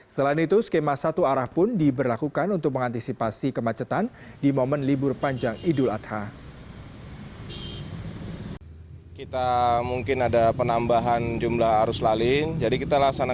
selain itu skema satu arah pun diberlakukan untuk mengantisipasi kemacetan di momen libur panjang idul adha